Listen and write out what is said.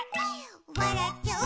「わらっちゃう」